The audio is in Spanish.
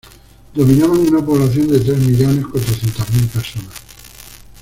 Dominaban una población de tres millones cuatrocientas mil personas.